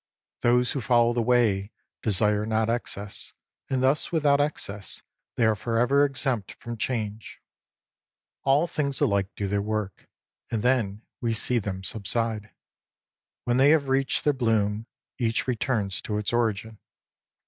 Those who follow the Way desire not excess ; and thus without excess they are for ever exempt from change. All things alike do their work, and then we see them subside. When they have reached their bloom, each returns to its origin.